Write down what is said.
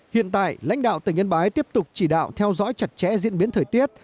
hiện tại lãnh đạo tỉnh yên bái tiếp tục chỉ đạo theo dõi chặt chẽ diễn biến thời tiết